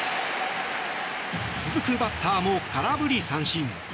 続くバッターも空振り三振。